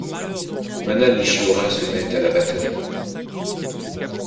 Mana Nishiura se met à la batterie.